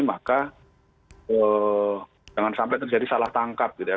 maka jangan sampai terjadi salah tangkap gitu ya